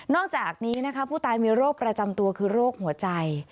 อกจากนี้นะคะผู้ตายมีโรคประจำตัวคือโรคหัวใจ